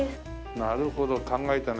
なるほど考えたね。